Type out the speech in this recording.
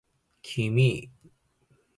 君